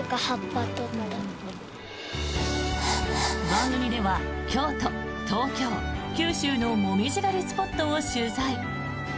番組では京都、東京、九州のモミジ狩りスポットを取材。